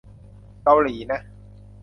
เกาหลีนะ